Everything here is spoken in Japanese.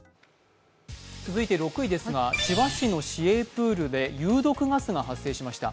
続いて６位ですが千葉市の市営プールで有毒ガスが発生しました。